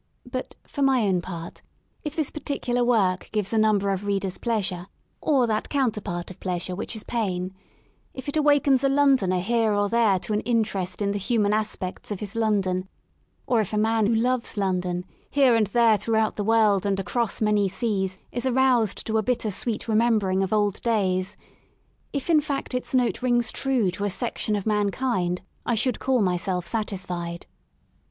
But, for my own part, if this particular work gives a number of readers pleasure, or that counterpart of pleasure which XV I ; INTRODUCTORY is pain ; if it awakens a Londoner here or there to an interest in the human aspects of his London ; or if a man who loves London here and there throughout the world and across many seas is aroused to a bitter sweet remembering of old days, if in fact its note rings true to a section of mankind, I should call myself satisfied.